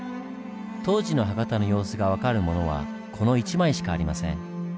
当時の博多の様子が分かるものはこの一枚しかありません。